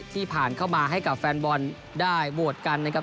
ผ่านเข้ามาให้กับแฟนบอลได้โหวตกันนะครับ